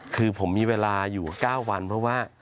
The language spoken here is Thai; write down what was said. คือผมมีเวลาอยู่๙วันเพราะว่า